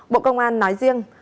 bộ công an nói riêng